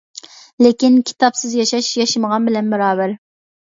لېكىن كىتابسىز ياشاش ياشىمىغان بىلەن باراۋەر.